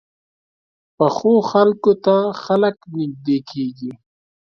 پخو خلکو ته خلک نږدې کېږي